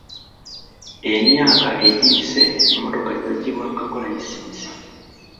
Emyaka egiyise emmotoka zaggibwangako layisinsi